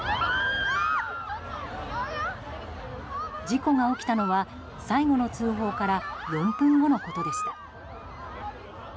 事故が起きたのは最後の通報から４分後のことでした。